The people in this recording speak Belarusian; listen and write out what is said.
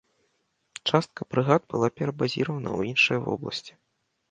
Частка брыгад была перабазіравана ў іншыя вобласці.